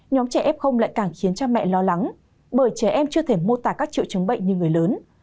nhóm trẻ f lại càng khiến cha mẹ lo lắng bởi trẻ em chưa thể mô tả các triệu chứng bệnh như người lớn